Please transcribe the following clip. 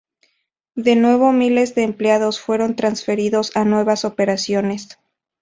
De nuevo miles de empleados fueron transferidos a nuevas operaciones.